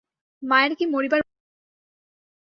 মায়ের কি মরিবার বয়স হইয়াছিল?